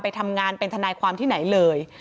ทำงานเป็นทนายความที่ไหนเลย